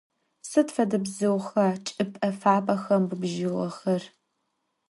Sıd fede bzıuxa çç'ıp'e fabexem bıbıjığexer?